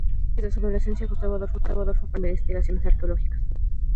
Desde su adolescencia Gustavo Adolfo participó en investigaciones arqueológicas.